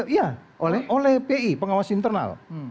iya oleh pi pengawas internal